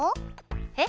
えっ？